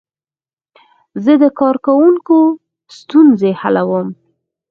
زه د کاروونکو ستونزې حلوم.